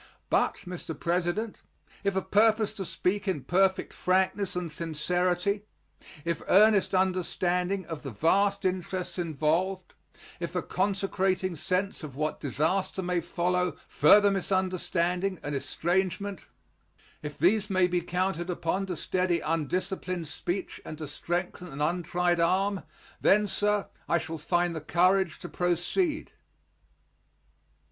But, Mr. President, if a purpose to speak in perfect frankness and sincerity; if earnest understanding of the vast interests involved; if a consecrating sense of what disaster may follow further misunderstanding and estrangement; if these may be counted upon to steady undisciplined speech and to strengthen an untried arm then, sir, I shall find the courage to proceed.